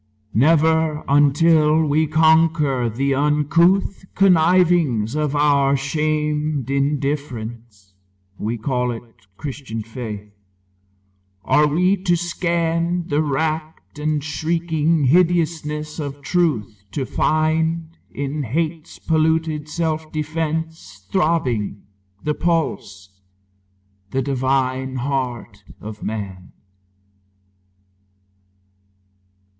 Never until we conquer the uncouth Connivings of our shamed indifference (We call it Christian faith) are we to scan The racked and shrieking hideousness of Truth To find, in hate's polluted self defence Throbbing, the pulse, the divine heart of man.